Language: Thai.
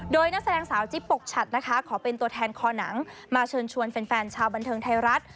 โดยนักแสดงสาวจิ๊บปกฉัดนะคะขอเป็นตัวแทนคอหนังมาเชิญชวนแฟนชาวบันเทิงไทยรัฐ